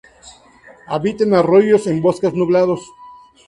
Habita en arroyos en bosques nublados.